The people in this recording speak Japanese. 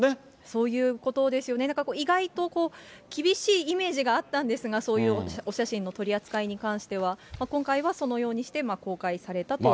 そういうことですよね、だから意外と、厳しいイメージがあったんですが、そういうお写真の取り扱いに関しては、今回はそのようにして公開されたと。